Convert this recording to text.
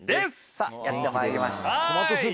さぁやってまいりました。